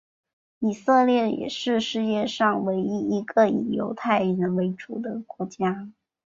以色列也是世界上唯一一个以犹太人为主的国家。